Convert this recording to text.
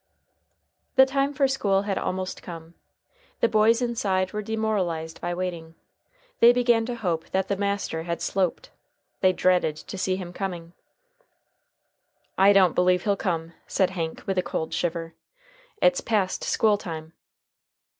The time for school had almost come. The boys inside were demoralized by waiting. They began to hope that the master had "sloped." They dreaded to see him coming. "I don't believe he'll come," said Hank, with a cold shiver. "It's past school time."